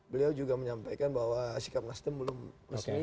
beliau juga menyampaikan bahwa sikap nasdem belum resmi